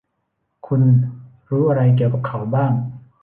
คุณรู้อะไรเกี่ยวกับเขาบ้าง